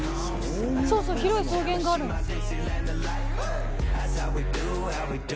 そうそう、広い草原があるんですよ。